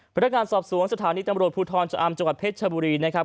พนักงานสอบสวนสถานีตำรวจภูทรชะอำจังหวัดเพชรชบุรีนะครับ